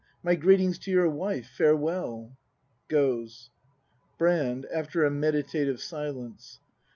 My greetings to your wife. Farewell! [Goes, Brand. [After a meditative silence.